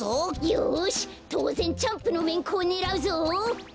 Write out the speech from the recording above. よしとうぜんチャンプのめんこをねらうぞ！